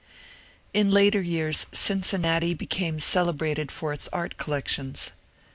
In later years Cincinnati became celebrated for its art collec tions.